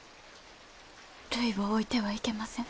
るいを置いては行けません。